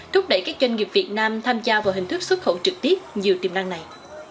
thúc đẩy các doanh nghiệp việt nam tham gia vào hình thức xuất khẩu trực tiếp nhiều tiềm năng này